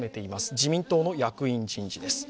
自民党の役員人事です。